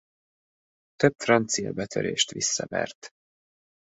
Több francia betörést visszavert.